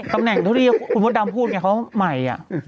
ตำแหน่งเท่าที่คุณมดดำพูดไงเขาใหม่